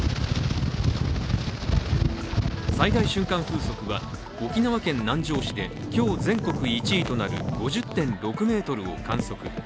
最大瞬間風速は沖縄県南城市で今日全国１位となる５０．６メートルを観測。